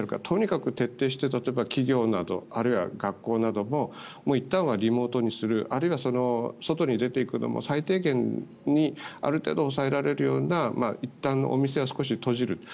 とにかく徹底して例えば企業などあるいは学校などもいったんはリモートにするあるいは外に出ていくのも最低限にある程度抑えられるようないったん、お店は少し閉じる。